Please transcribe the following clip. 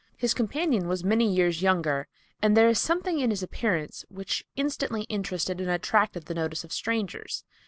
His companion was many years younger, and there was something in his appearance which instantly interested and attracted the notice of strangers.